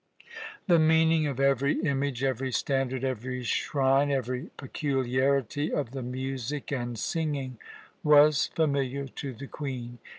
The meaning of every image, every standard, every shrine, every peculiarity of the music and singing, was familiar to the Queen.